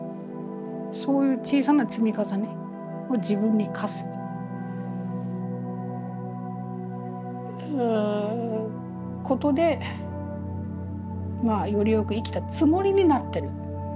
そういう小さな積み重ねを自分に課すことでまあより善く生きたつもりになってる。